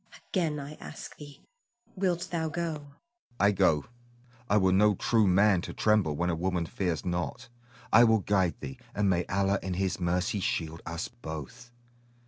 Again I ask thee, Wilt thou go? Hassan. I go. I were no true man to tremble when a woman fears not. I will guide thee, and may Allah in his mercy shield us both.